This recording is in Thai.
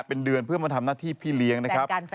เป็นเดือนเพื่อมาทำหน้าที่พี่เลี้ยงนะครับ